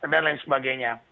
dan lain sebagainya